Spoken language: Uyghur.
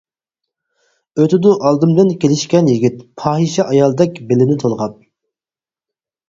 ئۆتىدۇ ئالدىمدىن كېلىشكەن يىگىت، پاھىشە ئايالدەك بېلىنى تولغاپ.